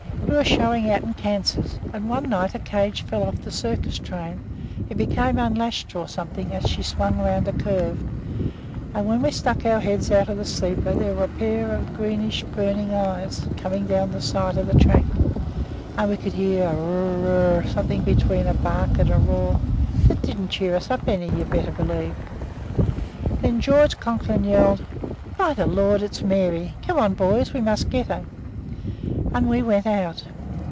"We were showing out in Kansas, and one night a cage fell off the circus train, became unlashed or something as she swung round a curve, and when we stuck our heads out of the sleeper there were a pair of greenish, burning eyes coming down the side of the track, and we could hear a ruh ruh r r r ruh something between a bark and a roar that didn't cheer us up any, you'd better believe. Then George Conklin yelled, 'By the Lord, it's Mary! Come on, boys; we must get her!' and out we went.